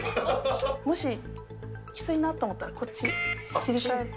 もし、きついなと思ったらこっち、切り替えて。